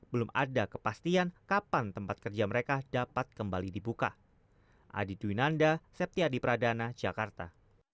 belum ada kepastian kapan tempat kerja mereka dapat kembali dibuka adi tuinanda septiadi pradana jakarta